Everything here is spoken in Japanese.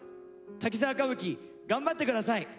『滝沢歌舞伎』頑張って下さい。